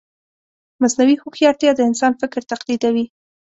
مصنوعي هوښیارتیا د انسان فکر تقلیدوي.